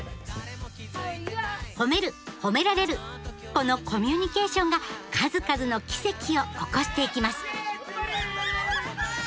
このコミュニケーションが数々の奇跡を起こしていきます！